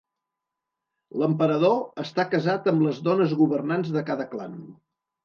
L'Emperador està casat amb les dones governants de cada clan.